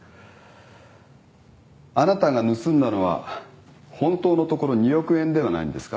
あなたが盗んだのは本当のところ２億円ではないんですか。